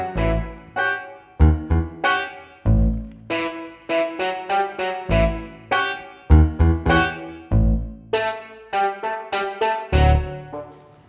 jajan aja pak masa ga boleh